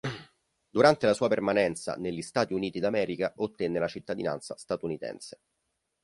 Durante la sua permanenza negli Stati uniti d'America ottenne la cittadinanza statunitense.